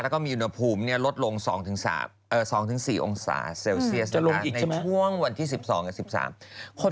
เดี๋ยววันนี้ร้อนเดี๋ยวพรุ่งนี้ก็ร้อน